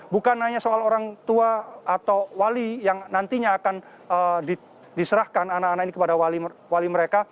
bukan hanya soal orang tua atau wali yang nantinya akan diserahkan anak anak ini kepada wali mereka